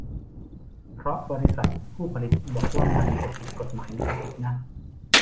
เพราะบริษัทผู้ผลิตบอกว่ามันจะผิดกฎหมายลิขสิทธิ์นะ